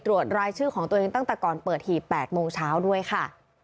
รายชื่อของตัวเองตั้งแต่ก่อนเปิดหีบ๘โมงเช้าด้วยค่ะ